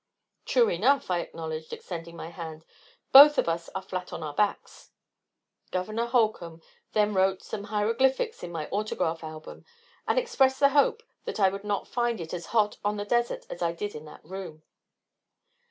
"True enough," I acknowledged, extending my hand, "both of us are flat on our backs." Gov. Holcomb then wrote some hieroglyphics in my autograph album, and expressed the hope that I would not find it as hot on the desert as I did in that room.